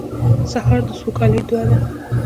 سهار د سوکالۍ دعا ده.